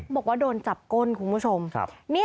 บอกว่าโดนจับก้น